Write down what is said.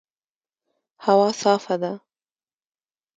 هوا صافه ده